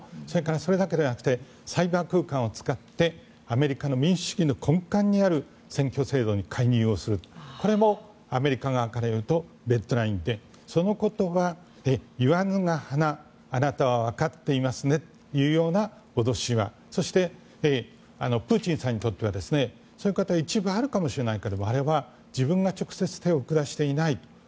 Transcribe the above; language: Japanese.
それだけではなくてサイバー空間を使ってアメリカの民主主義の根幹にある選挙制度に介入するこれもアメリカ側からいうとレッドラインでそのことは言わぬが花あなたはわかっていますねという脅しはそして、プーチンさんにとってはそういうことは一部あるかもしれないけどあれは自分が直接手を下していない。